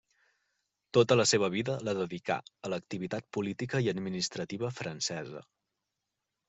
Tota la seva vida la dedicà a l'activitat política i administrativa francesa.